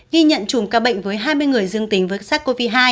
ghi nhận chùm ca bệnh với hai mươi người dương tính với sars cov hai